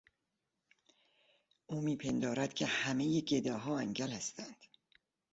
او میپندارد که همهی گداها انگل هستند.